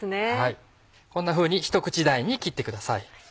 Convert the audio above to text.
こんなふうにひと口大に切ってください。